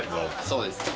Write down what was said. そうですね。